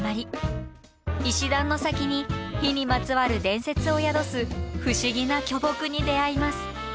石段の先に火にまつわる伝説を宿す不思議な巨木に出会います。